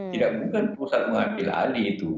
tidak bukan perusahaan mengambil alih itu